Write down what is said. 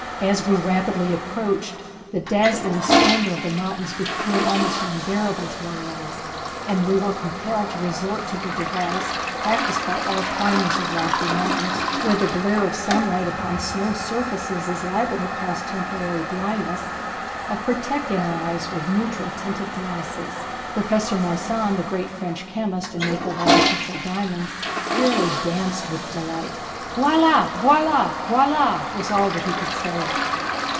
As we rapidly approached, the dazzling splendor of the mountain became almost unbearable to our eyes, and we were compelled to resort to the device, practiced by all climbers of lofty mountains, where the glare of sunlight upon snow surfaces is liable to cause temporary blindness, of protecting our eyes with neutral tinted glasses. Professor Moissan, the great French chemist and maker of artificial diamonds, fairly danced with delight. "Voila! Voila! Voila!" was all that he could say.